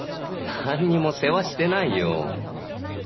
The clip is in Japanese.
なんにも世話してないよ